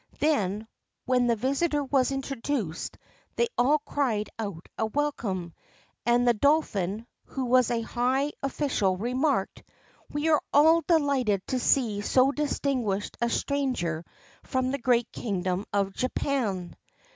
Then, when the visitor was introduced, they all cried out a welcome. And the dolphin, who was a high official, remarked, 'We are delighted to see so distinguished a stranger from the great kingdom of Japan.